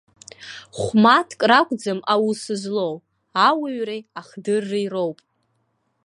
Хә-мааҭк ракәӡам аус злоу, ауаҩреи ахдырреи роуп.